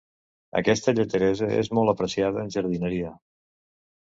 Aquesta lleteresa és molt apreciada en jardineria.